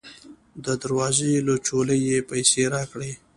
د دروازې له چولې یې پیسې راکړې.